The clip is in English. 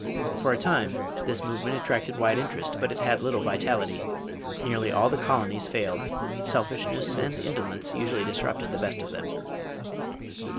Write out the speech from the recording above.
For a time this movement attracted wide interest, but it had little vitality. Nearly all the colonies failed. Selfishness and indolence usually disrupted the best of them.